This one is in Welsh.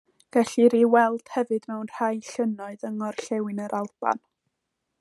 Gellir ei weld hefyd mewn rhai llynnoedd yng ngorllewin yr Alban.